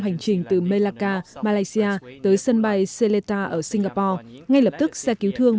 hành trình từ melaka malaysia tới sân bay seleta ở singapore ngay lập tức xe cứu thương